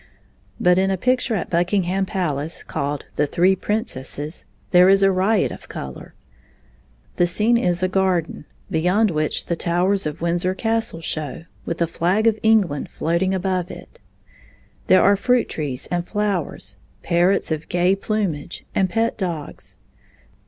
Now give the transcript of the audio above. But in a picture at Buckingham Palace called "The Three Princesses" there is a riot of color. The scene is a garden, beyond which the towers of Windsor Castle show, with the flag of England floating above it; there are fruit trees and flowers, parrots of gay plumage, and pet dogs.